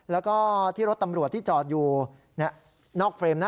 แล้วก็ที่รถตำรวจที่จอดอยู่นอกเฟรมนะ